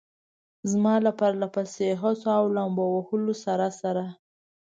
زما له پرله پسې هڅو او لامبو وهلو سره سره.